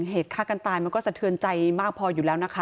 เหตุฆ่ากันตายมันก็สะเทือนใจมากพออยู่แล้วนะคะ